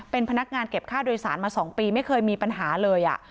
เป็นพนักงานเก็บค่าโดยสารมา๒ปีไม่เคยมีปัญหาเลย